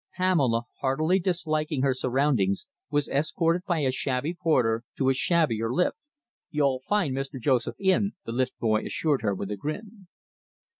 Pamela, heartily disliking her surroundings, was escorted by a shabby porter to a shabbier lift. "You'll find Mr. Joseph in," the lift boy assured her with a grin.